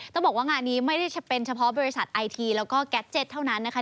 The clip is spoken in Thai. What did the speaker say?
เพราะงานนี้ไม่ได้เป็นเฉพาะบริษัทไอทีแล้วก็แก็จเจ็ตเท่านั้นนะคะ